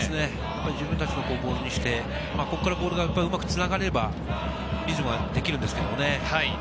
自分たちのボールにして、ここからボールがうまくつながればリズムができるんですけどね。